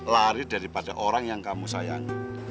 lari daripada orang yang kamu sayangi